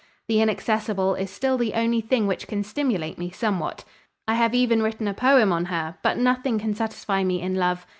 The inaccessible is still the only thing which can stimulate me somewhat. I have even written a poem on her, but nothing can satisfy me in love.